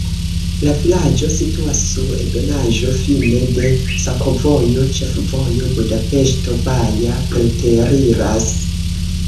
La vilaĝo situas sur ebenaĵo, fine de sakovojo, ĉefvojo Budapeŝto-Baja preteriras.